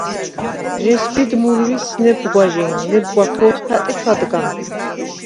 ჟესბიდ მურვისს ნებგვაჟი̄ნ, ნებგვა ქო̄თფა̈ტ ი ჩვადგან.